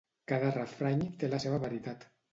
Cada refrany té la seva veritat.